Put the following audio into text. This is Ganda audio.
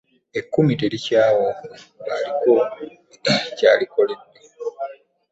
“Ekkumi terikyawa omu “ng'alikoeyalkoeyambulira.